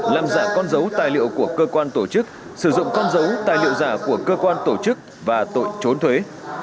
làm giả con dấu tài liệu của cơ quan tổ chức sử dụng con dấu tài liệu giả của cơ quan tổ chức và tội trốn thuế